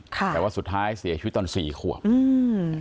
แต่ว่าสุดท้ายเสียชีวิตตอนสี่ขวบอืม